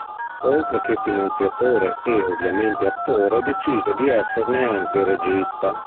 Oltre che finanziatore e, ovviamente, attore decise di esserne anche il regista.